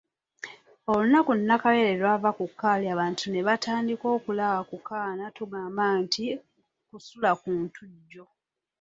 Olunaku Nakawere lw’ava ku kaali abantu ne batandika okulaba ku kaana tugamba nti kusula ku Ntujjo.